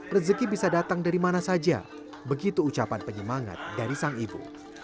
rezeki bisa datang dari mana saja begitu ucapan penyemangat dari sang ibu